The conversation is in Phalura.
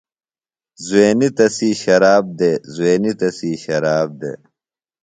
زُوینیۡ تسی شراب دےۡ زُوینی تسی شراب دےۡ۔